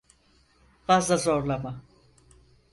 Fazla zorlama.